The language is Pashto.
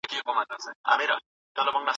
که څوک بد وکړي، مؤمن باید په ښه عمل ځواب ورکړي.